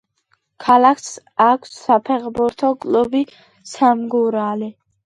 ქალაქს აქვს საფეხბურთო კლუბი „სამგურალი“.